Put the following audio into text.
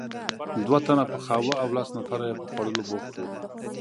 دوه تنه پخاوه او لس نفره یې په خوړلو بوخت وو.